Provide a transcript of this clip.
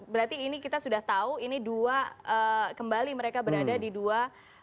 berarti ini kita sudah tahu ini dua kembali mereka berada di dua